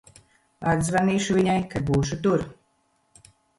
Atzvanīšu viņai, kad būšu tur.